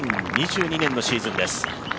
２０２２年のシーズンです。